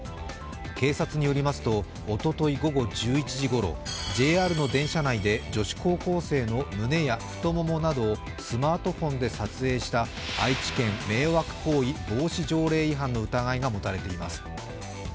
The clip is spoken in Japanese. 警察によりますと、おととい午後１１時ごろ女子高校生の胸や太股などをスマートフォンで撮影した愛知県迷惑行為防止条例違反の疑いが持たれています。